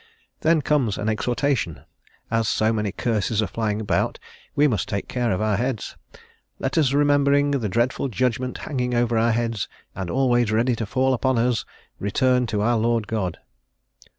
Then comes an exhortation; as so many curses are flying about we must take care of our heads: "Let us, remembering the dreadful judgment hanging over our heads, and always ready to fall upon us, return to our Lord God."